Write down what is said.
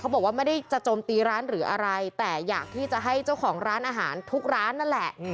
บอกว่าไม่ได้จะโจมตีร้านหรืออะไรแต่อยากที่จะให้เจ้าของร้านอาหารทุกร้านนั่นแหละ